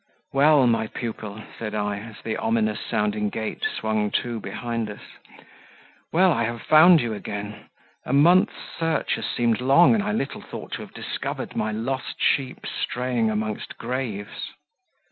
"Well, my pupil," said I, as the ominous sounding gate swung to behind us "Well, I have found you again: a month's search has seemed long, and I little thought to have discovered my lost sheep straying amongst graves."